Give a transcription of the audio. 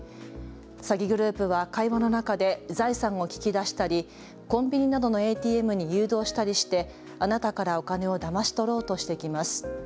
詐欺グループは会話の中で財産を聞き出したりコンビニなどのＡＴＭに誘導したりして、あなたからお金をだまし取ろうとしてきます。